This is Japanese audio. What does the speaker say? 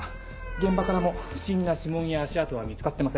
現場からも不審な指紋や足跡は見つかってません。